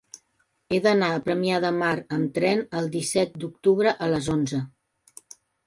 He d'anar a Premià de Mar amb tren el disset d'octubre a les onze.